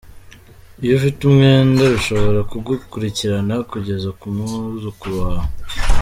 Iyo ufite umwenda, bishobora kugukurikirana kugeza ku mwuzukuru wawe.